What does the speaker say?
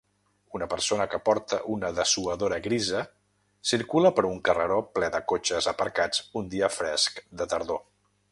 Una persona que porta una dessuadora grisa circula per un carreró ple de cotxes aparcats un dia fresc de tardor